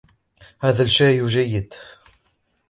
هذا الشاي جيد.